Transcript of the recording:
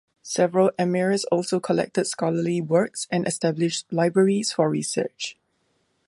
Several emirs also collected scholarly works and established libraries for research.